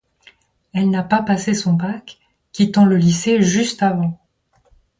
Elle n'a pas passé son bac, quittant le lycée juste avant.